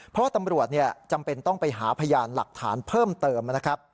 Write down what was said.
เพราะว่าตำรวจจำเป็นต้องไปหาพยานหลักฐานเพิ่มเติมนะครับ